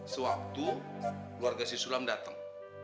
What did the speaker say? sewaktu keluarga si sulam datang